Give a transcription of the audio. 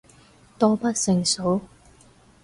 多不勝數